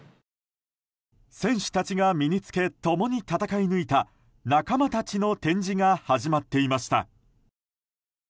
選手たちが身に着け共に戦い抜いた仲間たちの展示が始まっていました。